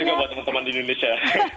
juga buat teman teman di indonesia